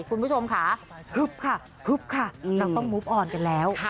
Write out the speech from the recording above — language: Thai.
คุณผู้ชมค่ะหึบค่ะเราต้องอ่อนกันแล้ว